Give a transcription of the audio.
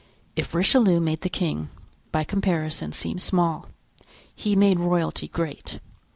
If Richelieu made the king, by comparison, seem small, he made royalty great.